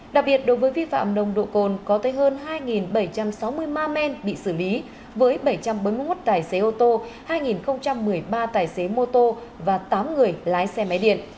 đặc biệt đối với vi phạm nồng độ cồn có tới hơn hai bảy trăm sáu mươi ma men bị xử lý với bảy trăm bốn mươi một tài xế ô tô hai một mươi ba tài xế mô tô và tám người lái xe máy điện